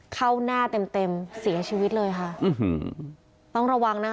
เข้าหน้าเต็มเต็มเสียชีวิตเลยค่ะอื้อหือต้องระวังนะคะ